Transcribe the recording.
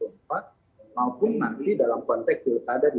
mampu nanti dalam konteks yang ada di dua ribu dua puluh empat